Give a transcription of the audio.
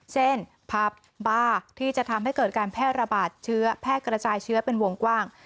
เช่นพับบ้าที่จะทำให้เกิดการแพร่ระบาดแพร่กระจายเชื้อเป็นวงกว้าง